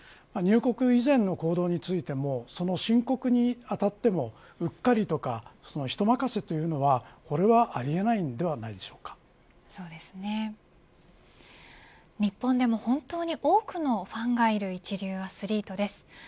入国以前の行動についてもその申告にあたってもうっかりとか、人任せというのはこれはありえないのではなそうですね、日本でも本当に多くのファンがいる一流アスリートです。